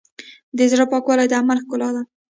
د زړۀ پاکوالی د عمل ښکلا ده.